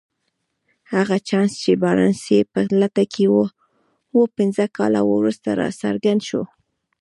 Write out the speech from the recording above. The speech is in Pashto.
هغه چانس چې بارنس يې په لټه کې و پنځه کاله وروسته راڅرګند شو.